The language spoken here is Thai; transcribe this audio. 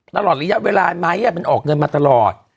ตลอดระยะเวลาไหมมันออกเงินมาตลอด